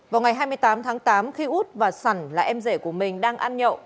vào ngày hai mươi tám tháng tám khi út và sằn là em rể của mình đang ăn nhậu